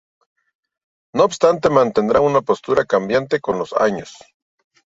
No obstante, mantendrá una postura cambiante con los años.